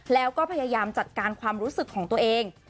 แล้วก็พยายามจัดการความรู้สึกของตัวเอง